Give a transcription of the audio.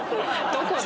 どこで？